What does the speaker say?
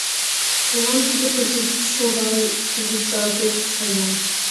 Молан тудо кызыт Чорай кугыза деке кая?